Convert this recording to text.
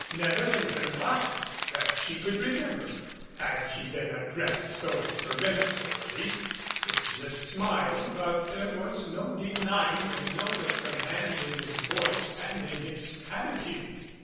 Never in her life, that she could remember, had she been addressed so peremptorily. His lips smiled, 39 MADCAP but there was no denying the note of command in his voice and in his attitude.